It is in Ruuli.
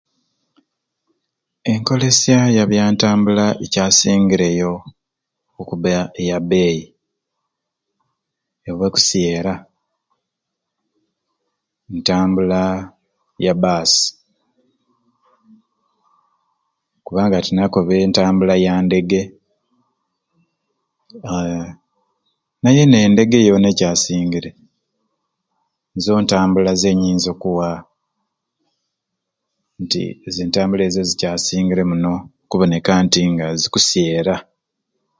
Enkolesya ya byantambula ekyasingireyo okuba eya eyabeeyi oba ekusyera ntambula ya bbaasi kubanga tinakobe ntambula ya ndege eee naye n'endege yoona ekyasingire nizo ntambula zenyinza okukuwa nti zi entambula ezo zikyasingire muno okuboneka nga zikusyera